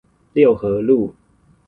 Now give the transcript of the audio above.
六合路